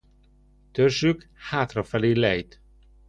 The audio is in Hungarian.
Törzsük hátrafelé lejt.